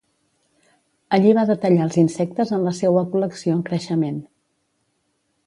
Allí va detallar els insectes en la seua col·lecció en creixement.